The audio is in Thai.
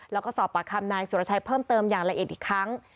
แล้วก็สอบปากคำนายสุรชัยเพิ่มเติมอย่างละเอียดอีกครั้ง